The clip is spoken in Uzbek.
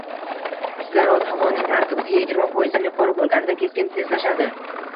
kislorod havoning tarkibida yigirma foyizdan yuqori bo’lganda keskin tezlashadi